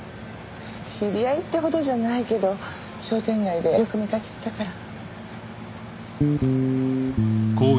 知り合いってほどじゃないけど商店街でよく見かけてたから。